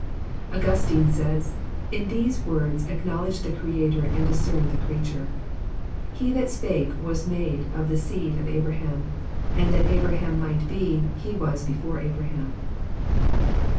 '* Augustine says: "In these words acknowledge the Creator and discern the creature. He that spake was made the Seed of Abraham ; and that Abraham might be. He was before Abra ham."